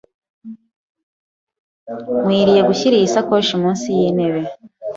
Nkwiye gushyira iyi sakoshi munsi yintebe?